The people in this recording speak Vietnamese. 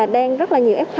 đang rất là nhiều f